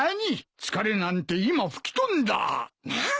疲れなんて今吹き飛んだ。なあ？